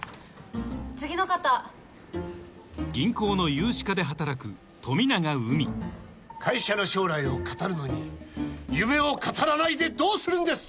次の方銀行の融資課で働く会社の将来を語るのに夢を語らないでどうするんです！